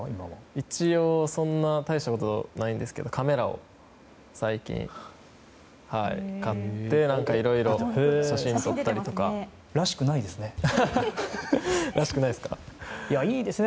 一応、そんな大したことないんですけどカメラを最近買って何かいろいろらしくないですね。